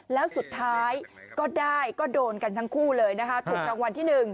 แล้วสุดท้ายก็ได้ก็โดนกันทั้งคู่เลยนะคะถูกรางวัลที่๑